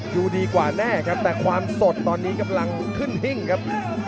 ดูดีกว่าแน่ครับแต่ความสดตอนนี้กำลังขึ้นหิ้งครับ